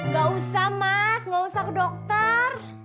gak usah mas gak usah ke dokter